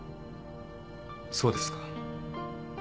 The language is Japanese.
そうですか。